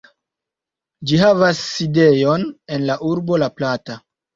Ĝi havas sidejon en la urbo La Plata.